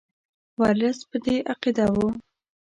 ورلسټ په دې عقیده وو.